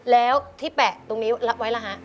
แล้วที่แปะตรงนี้ไว้แล้วฮะ